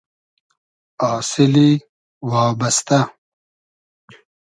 آسیلی وابئستۂ